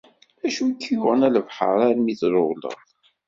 D acu i k-yuɣen, a lebḥer, armi i trewleḍ?